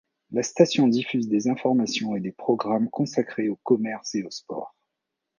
La station diffuse des informations et des programmes consacrés au commerce et au sport.